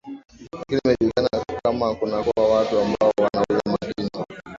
lakini imejulikana kama kunakuwa watu ambao wanauza madini